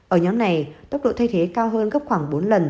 ở nhóm này tốc độ thay thế cao hơn gấp khoảng bốn lần